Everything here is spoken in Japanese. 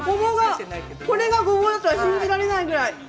これがごぼうだとは信じられないぐらい。